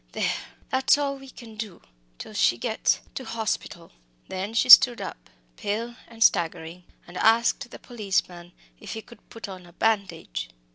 There that's all we can do till she gets to hospital." Then she stood up, pale and staggering, and asked the policeman if he could put on a bandage.